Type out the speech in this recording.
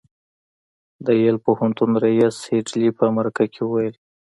د یل پوهنتون ريیس هيډلي په مرکه کې وویل